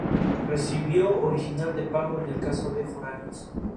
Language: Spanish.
Recibo original de pago en el caso de foráneos.